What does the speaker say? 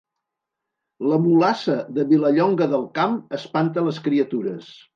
La mulassa de Vilallonga del Camp espanta les criatures